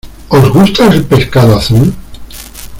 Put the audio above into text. ¿Os gusta el pescado azul?